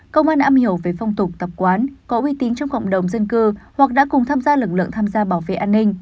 công an am hiểu về phong tục tập quán có uy tín trong cộng đồng dân cư hoặc đã cùng tham gia lực lượng tham gia bảo vệ an ninh